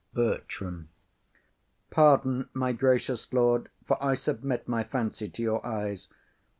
BERTRAM. Pardon, my gracious lord; for I submit My fancy to your eyes.